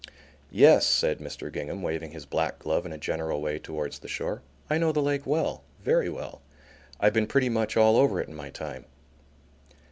"Yes," said Mr. Gingham, waving his black glove in a general way towards the shore, "I know the lake well, very well. I've been pretty much all over it in my time."